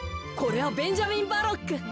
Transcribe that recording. これはベンジャミンバロック。